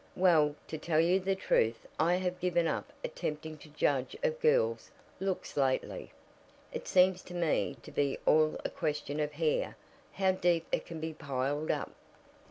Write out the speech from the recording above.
"Well, to tell you the truth I have given up attempting to judge of girls' looks lately. It seems to me to be all a question of hair how deep it can be piled up."